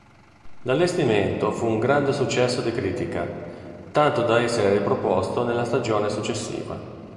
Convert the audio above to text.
L'allestimento fu un grande successo di critica, tanto da essere riproposto nella stagione successiva.